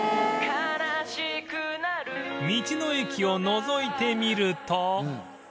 道の駅をのぞいてみると